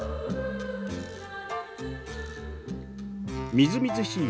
みずみずしい